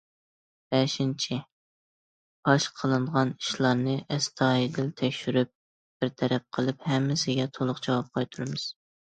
بەشىنچى، پاش قىلىنغان ئىشلارنى ئەستايىدىل تەكشۈرۈپ بىر تەرەپ قىلىپ، ھەممىسىگە تولۇق جاۋاب قايتۇرىمىز.